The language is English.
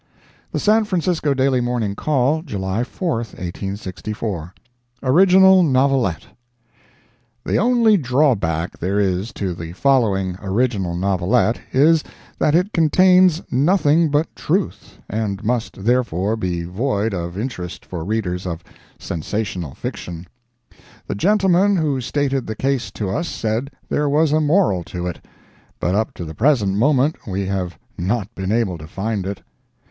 The San Francisco Daily Morning Call, July 4, 1864 ORIGINAL NOVELETTE The only drawback there is to the following original novelette, is, that it contains nothing but truth, and must, therefore, be void of interest for readers of sensational fiction. The gentleman who stated the case to us said there was a moral to it, but up to the present moment we have not been able to find it.